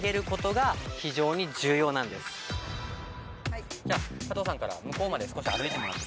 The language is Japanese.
またじゃあ加藤さんから向こうまで少し歩いてもらって。